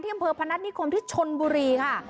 อำเภอพนัฐนิคมที่ชนบุรีค่ะ